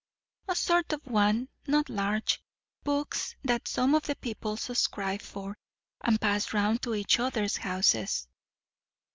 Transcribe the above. "A sort of one; not large. Books that some of the people subscribe for, and pass round to each other's houses."